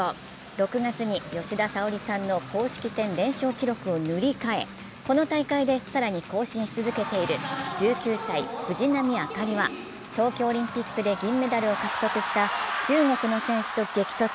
６月に吉田沙保里さんの公式戦連勝記録を塗り替え、この大会で更に更新し続けている１９歳、藤波朱理は東京オリンピックで銀メダルを獲得した中国の選手と激突。